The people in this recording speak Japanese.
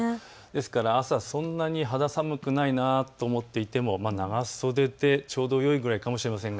ですから朝、そんなに肌寒くないなと思っていても長袖でちょうどいいくらいかもしれません。